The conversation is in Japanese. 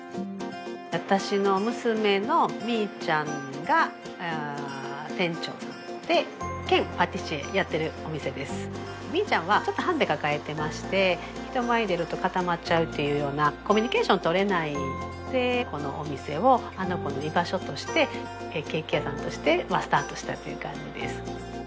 私の娘のみいちゃんが店長さんで兼パティシエやってるお店ですみいちゃんはちょっとハンデ抱えてまして人前に出ると固まっちゃうっていうようなコミュニケーションをとれないんでこのお店をあの子の居場所としてケーキ屋さんとしてスタートしたっていう感じです